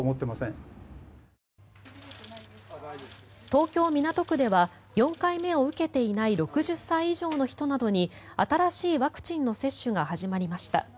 東京・港区では４回目を受けていない６０歳以上の人などに新しいワクチンの接種が始まりました。